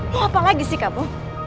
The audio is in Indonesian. ini apa lagi sih kamu